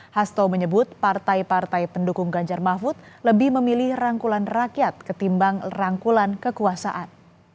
hasto menyebut partai partai pendukung ganjar mahfud lebih memilih rangkulan rakyat ketimbang rangkulan kekuasaan